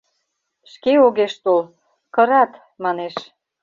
— Шке огеш тол, «кырат» манеш...